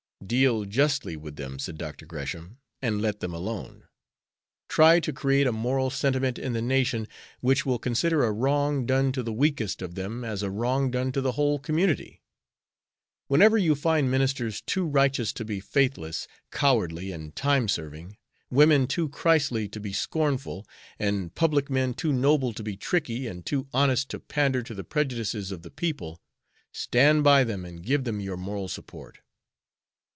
"Deal justly with them," said Dr. Gresham, "and let them alone. Try to create a moral sentiment in the nation, which will consider a wrong done to the weakest of them as a wrong done to the whole community. Whenever you find ministers too righteous to be faithless, cowardly, and time serving; women too Christly to be scornful; and public men too noble to be tricky and too honest to pander to the prejudices of the people, stand by them and give them your moral support."